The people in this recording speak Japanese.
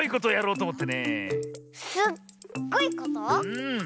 うん。